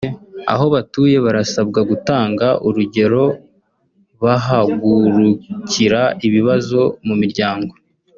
Aho batuye barasabwa gutanga urugero bahagurukira ibibazo mu miryango